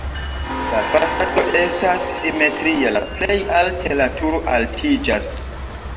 La fasado estas simetria, la plej alte la turo altiĝas.